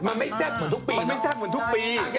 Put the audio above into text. มันไม่แซ่บเหมือนทุกปี